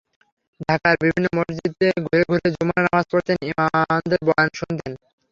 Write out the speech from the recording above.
ঢাকার বিভিন্ন মসজিদে ঘুরে ঘুরে জুমার নামাজ পড়তেন, ইমামদের বয়ান শুনতেন।